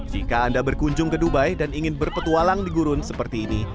jika anda berkunjung ke dubai dan ingin berpetualang di gurun seperti ini